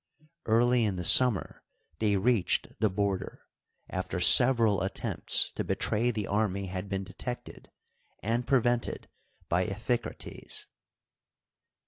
Early in the summer they reached the border, after several at tempts to betray the army had been detected and pre vented by Iphicrates.